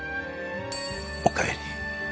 おかえり。